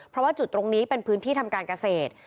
เพราะว่าจุดตรงนี้เป็นพื้นที่ทำการเกษตร